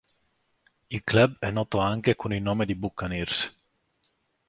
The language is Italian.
Il Club è noto anche con il nome di Buccaneers.